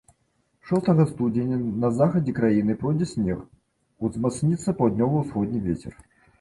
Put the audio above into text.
Шостага студзеня на захадзе краіны пройдзе снег, узмацніцца паўднёва-ўсходні вецер.